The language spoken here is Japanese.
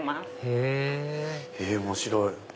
へぇ面白い！